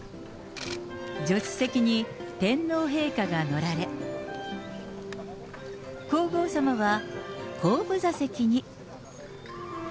助手席に天皇陛下が乗られ、皇后さまは後部座席に。